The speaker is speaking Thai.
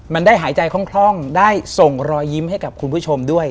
มันได้หายใจคล่องได้ส่งรอยยิ้มให้กับคุณผู้ชมด้วย